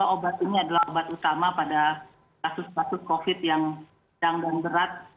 obat ini adalah obat utama pada kasus kasus covid yang sedang dan berat